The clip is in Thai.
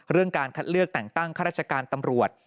เรื่องการคลัดเลือกแต่งตั้งค่ะราชการตำรวจ